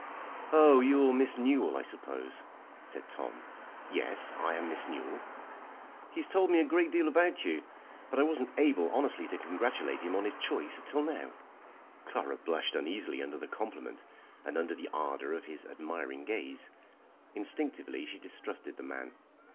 "Oh, you're Miss Newell, I suppose," said Tom. "Yes, I am Miss Newell." "He has told me a great deal about you, but I wasn't able honestly to congratulate him on his choice till now." Clara blushed uneasily under the compliment, and under the ardour of his admiring gaze. Instinctively she distrusted the man.